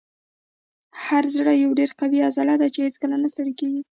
هو زړه یوه ډیره قوي عضله ده چې هیڅکله نه ستړې کیږي